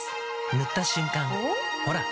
塗った瞬間おっ？